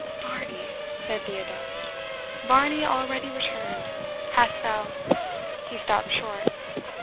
"Varney!" said the adept "Varney already returned! Hast thou " he stopped short.